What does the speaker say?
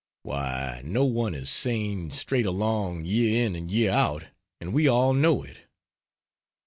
Why, no one is sane, straight along, year in and year out, and we all know it.